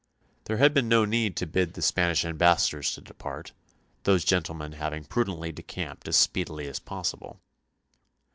There had been no need to bid the Spanish ambassadors to depart, those gentlemen having prudently decamped as speedily as possible.